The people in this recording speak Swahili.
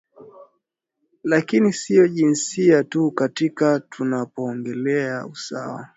lakini sio jinsia tu katika tunapoongelea usawa